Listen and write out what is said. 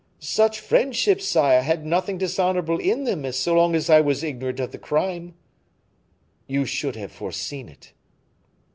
"Such friendships, sire, had nothing dishonorable in them so long as I was ignorant of the crime." "You should have foreseen it."